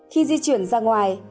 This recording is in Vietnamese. khi di chuyển ra ngoài